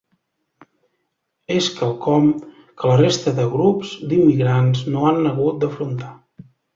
És quelcom que la resta de grups d’immigrants no han hagut d’afrontar.